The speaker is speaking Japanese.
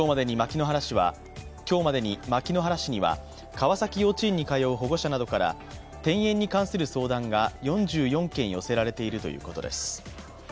今日までに牧之原市には川崎幼稚園に通う保護者などから転園に関する相談が４４件寄せられているということです。